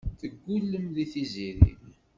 Teggullem deg Tiziri.